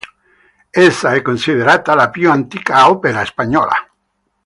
Essa è considerata la più antica opera spagnola.